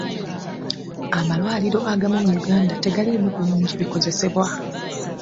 Amalwaliro agamu mu Uganda tegaliimu bulungi bikozesebwa.